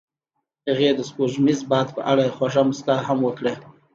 هغې د سپوږمیز باد په اړه خوږه موسکا هم وکړه.